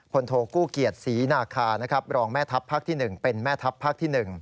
พลโธกู้เกียจศรีนาคารองแม่ทัพภาคที่๑เป็นแม่ทัพภาคที่๑